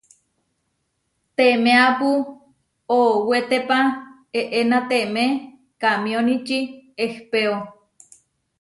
Temeápu oʼowetépa eʼenatemé kamióniči ehpéo.